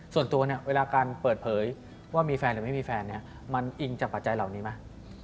ส่วนตัวเนี่ยเวลาการเปิดเผยว่ามีแฟนหรือไม่มีแฟนเนี่ยมันอิงจากปัจจัยเหล่านี้ไหม